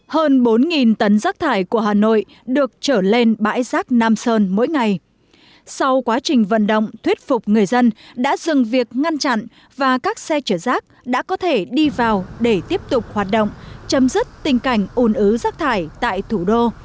hơn bốn tấn rác thải của hà nội được trở lên bãi rác nam sơn mỗi ngày sau quá trình vận động thuyết phục người dân đã dừng việc ngăn chặn và các xe chở rác đã có thể đi vào để tiếp tục hoạt động chấm dứt tình cảnh un ứ rác thải tại thủ đô